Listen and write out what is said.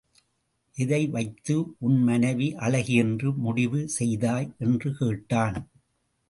எதை வைத்து உன் மனைவி அழகி என்று முடிவு செய்தாய்? என்று கேட்டான்.